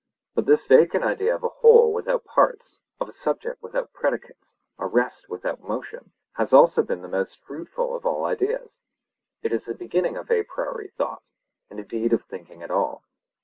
But this vacant idea of a whole without parts, of a subject without predicates, a rest without motion, has been also the most fruitful of all ideas. It is the beginning of a priori thought, and indeed of thinking at all.